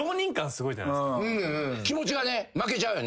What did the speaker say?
気持ちがね負けちゃうよね